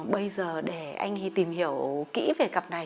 bây giờ để anh tìm hiểu kỹ về cặp này